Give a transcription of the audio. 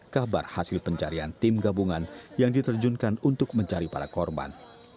kabar hasil pencarian tim gabungan yang diterjunkan untuk mencari para korban